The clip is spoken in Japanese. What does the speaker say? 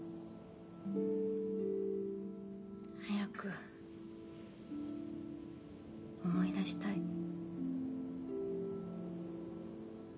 早く思い出したい。